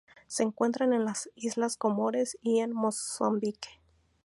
Se encuentra en las Islas Comores y en Mozambique.